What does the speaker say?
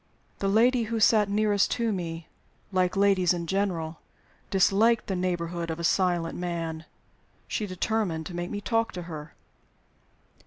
The lady who sat nearest to me (like ladies in general) disliked the neighborhood of a silent man. She determined to make me talk to her.